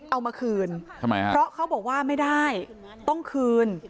เอามาคืนทำไมฮะเพราะเขาบอกว่าไม่ได้ต้องคืน